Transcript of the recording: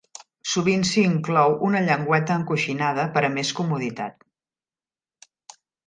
Sovint s'hi inclou una llengüeta encoixinada per a més comoditat.